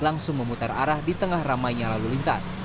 langsung memutar arah di tengah ramai yang lalu lintas